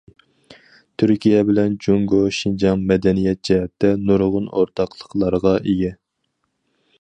تۈركىيە بىلەن جۇڭگو شىنجاڭ مەدەنىيەت جەھەتتە نۇرغۇن ئورتاقلىقلارغا ئىگە.